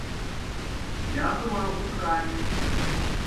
Я была ў краме.